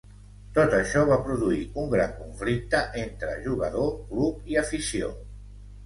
Tot això va produir un gran conflicte entre jugador, club i afició.